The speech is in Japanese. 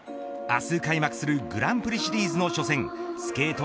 明日開幕するグランプリシリーズの初戦スケート